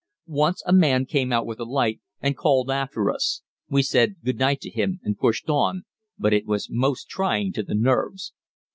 Once a man came out with a light and called after us; we said "good night" to him and pushed on, but it was most trying to the nerves.